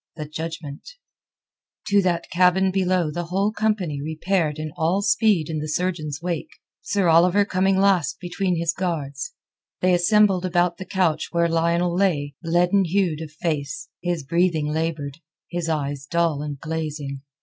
THE JUDGMENT To that cabin below the whole company repaired in all speed in the surgeon's wake, Sir Oliver coming last between his guards. They assembled about the couch where Lionel lay, leaden hued of face, his breathing laboured, his eyes dull and glazing.